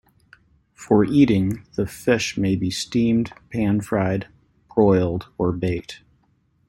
For eating, the fish may be steamed, pan-fried, broiled, or baked.